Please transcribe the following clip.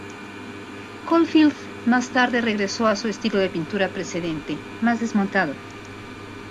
Caulfield más tarde regresó a su estilo de pintura precedente, más desmontado.